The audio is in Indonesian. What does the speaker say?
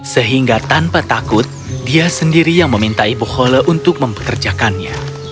sehingga tanpa takut dia sendiri yang meminta ibu hole untuk mempekerjakannya